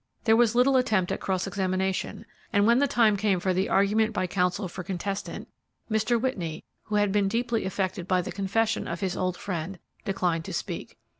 There was little attempt at cross examination, and when the time came for the argument by counsel for contestant, Mr. Whitney, who had been deeply affected by the confession of his old friend, declined to speak.